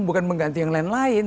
bukan mengganti yang lain lain